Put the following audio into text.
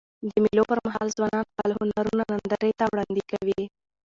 د مېلو پر مهال ځوانان خپل هنرونه نندارې ته وړاندي کوي.